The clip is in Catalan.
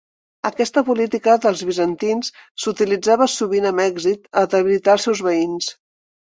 Aquesta política dels bizantins s'utilitzava sovint amb èxit a debilitar als seus veïns.